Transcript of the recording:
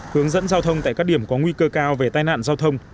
hướng dẫn giao thông tại các điểm có nguy cơ cao về tai nạn giao thông